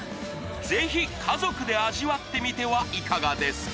ぜひ家族で味わってみてはいかがですか？